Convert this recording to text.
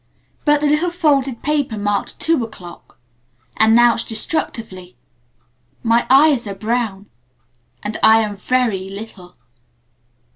But the little folded paper marked, "No. 2 o'clock," announced destructively: "My eyes are brown. And I am very little."